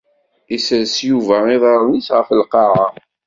Isres Yuba iḍaṛṛen-is ɣef lqaɛa.